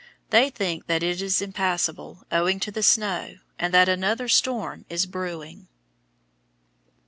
They think that it is impassable, owing to snow, and that another storm is brewing.